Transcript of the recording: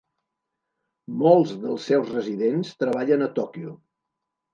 Molts dels seus residents treballen a Tòquio.